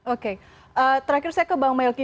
oke terakhir saya ke bang melki